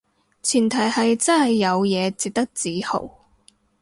前提係真係有嘢值得自豪